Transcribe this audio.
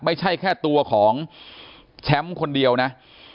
ไม่ใช่แค่ตัวของแชมป์คนเดียวนะ